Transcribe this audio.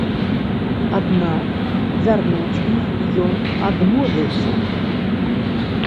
Аднак вярнуць іх ён адмовіўся.